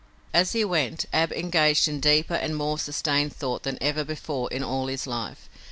As he went Ab engaged in deeper and more sustained thought than ever before in all his life.